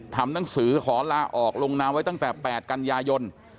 ทำหนังสือขอลาออกลงนามไว้ตั้งแต่๘กันยายน